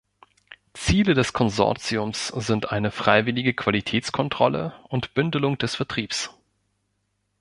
Ziele des Konsortiums sind eine freiwillige Qualitätskontrolle und Bündelung des Vertriebs.